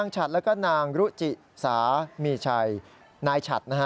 ชอบกินก๋วยเตี๋ยวแล้วก็ไม่เคยขาย